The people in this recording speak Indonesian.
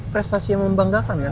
prestasi yang membanggakan kan iya sih